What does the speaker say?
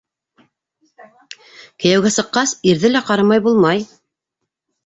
Кейәүгә сыҡҡас, ирҙе лә ҡарамай булмай.